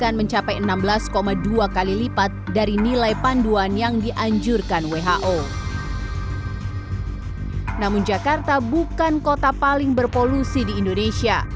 namun jakarta bukan kota paling berpolusi di indonesia